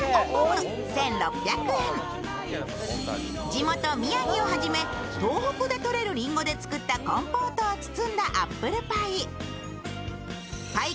地元・宮城をはじめ東北で取れるりんごで作ったコンポートを包んだアップルパイ。